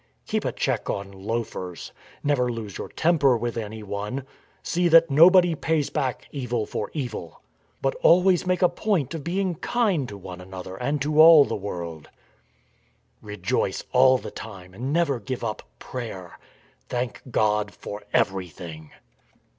Keep a check on loafers. Never lose your temper with anyone. See that nobody pays back evil for evil. But always make a point of being kind to one another and to all the world. 206 STORM AND STRESS Rejoice all the time and never give up prayer. Thank God for everything.'